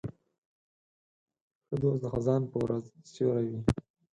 ښه دوست د خزان په ورځ سیوری وي.